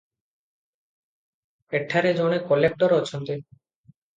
ଏଠାରେ ଜଣେ କଲେକ୍ଟର ଅଛନ୍ତି ।